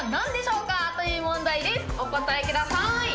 お答えください。